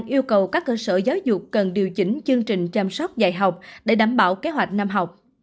yêu cầu các cơ sở giáo dục cần điều chỉnh chương trình chăm sóc dạy học để đảm bảo kế hoạch năm học